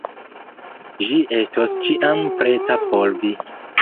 Ĝi estos ĉiam preta por vi.